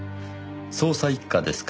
捜査一課ですか？